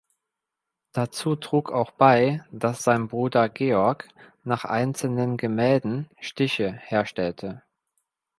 Dazu trug auch bei, dass sein Bruder Georg nach einzelnen Gemälden Stiche herstellte.